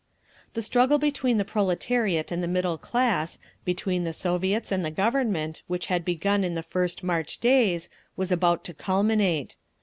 The struggle between the proletariat and the middle class, between the Soviets and the Government, which had begun in the first March days, was about to culminate.